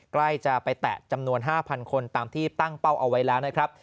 ใกล้จะไปแตะจำนวน๕๐๐คนตามที่ตั้งเป้าเอาไว้แล้วนะครับ